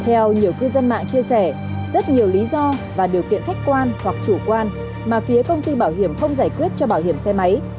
theo nhiều cư dân mạng chia sẻ rất nhiều lý do và điều kiện khách quan hoặc chủ quan mà phía công ty bảo hiểm không giải quyết cho bảo hiểm xe máy